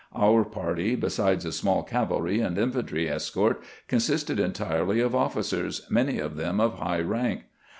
Our party, besides a small cavalry and infantry escort, consisted entirely of officers, many of them of high rank.